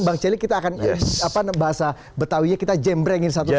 bang celi kita akan bahasa betawinya kita jembrengin satu satu